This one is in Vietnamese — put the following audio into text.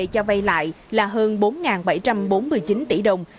cho vay lại là hơn bốn bảy trăm bốn mươi chín tỷ đồng